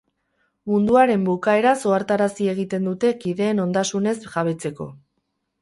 Munduaren bukaeraz ohartarazi egiten dute kideen ondasunez jabetzeko.